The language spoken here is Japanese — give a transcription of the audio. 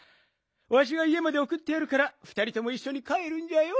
わしがいえまでおくってやるからふたりともいっしょにかえるんじゃよ。